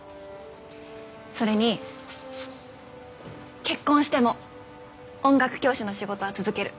それに結婚しても音楽教師の仕事は続ける。